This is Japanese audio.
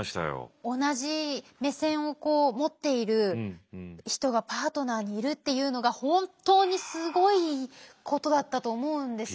同じ目線を持っている人がパートナーにいるっていうのが本当にすごいことだったと思うんですよ。